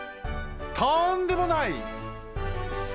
とんでもない！